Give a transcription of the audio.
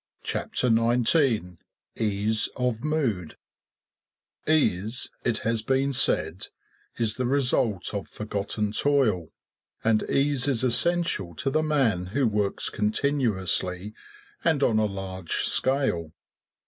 Chapter XIX Ease of Mood Ease, it has been said, is the result of forgotten toil; and ease is essential to the man who works continuously and on a large scale.